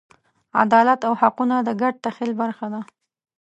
عدالت او حقونه د ګډ تخیل برخه ده.